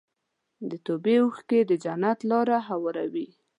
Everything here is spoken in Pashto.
د توبې اوښکې د جنت لاره هواروي.